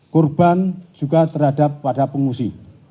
korban juga terhadap pada pengusi